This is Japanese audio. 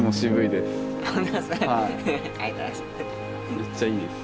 めっちゃいいです。